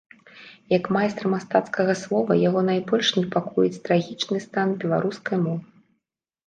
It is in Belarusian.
Як майстра мастацкага слова, яго найбольш непакоіць трагічны стан беларускай мовы.